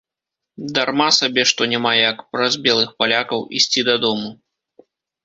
Дарма сабе, што няма як, праз белых палякаў, ісці дадому.